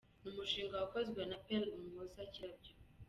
Ni umushinga wakozwe na Pearl Umuhoza Kirabyo.